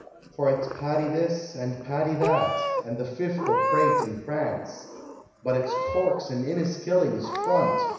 For it's Paddy this, and Paddy that, and "The Fifth'll prate and prance!" But it's "Corks and Inniskillings Front!"